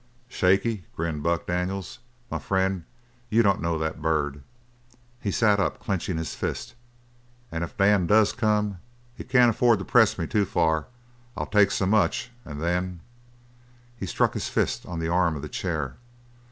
"Shaky?" grinned Buck Daniels. "M'frien', you don't know that bird!" He sat up, clenching his fist. "And if Dan does come, he can't affo'd to press me too far! I'll take so much, and then " He struck his fist on the arm of the chair.